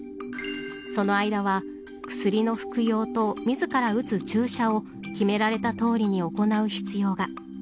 その間は薬の服用と自ら打つ注射を決められたとおりに行う必要が。